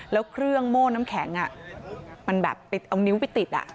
แล้วเครื่องโม่น้ำแข็งมันแบบไปเอานิ้วไปติด